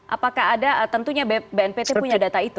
apakah ada tentunya bnpt punya data itu